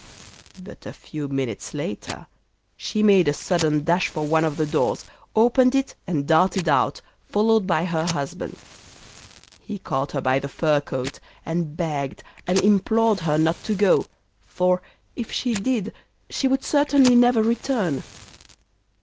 But a few minutes later she made a sudden dash for one of the doors, opened it and darted out, followed by her husband. He caught her by the fur coat, and begged and implored her not to go, for if she did she would certainly never return.